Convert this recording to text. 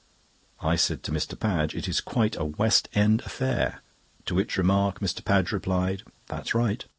I said to Mr. Padge: "It is quite a West End affair," to which remark Mr. Padge replied: "That's right."